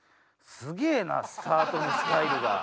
すげえなスタートのスタイルが。